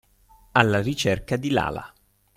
Alla ricerca di Lala.